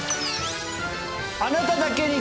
あなただけに！